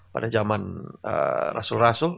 pada zaman rasul rasul